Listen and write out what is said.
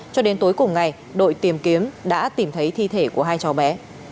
cho đến tối cùng ngày đội tìm kiếm đã tìm thấy thi thể của hai cháu bé